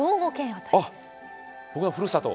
あっ僕のふるさと。